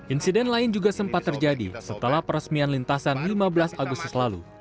insiden lain juga sempat terjadi setelah peresmian lintasan lima belas agustus lalu